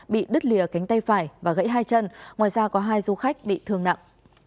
bị đứt lìa cánh tay phải và gãy hai chân ngoài ra có hai du khách bị thương nặng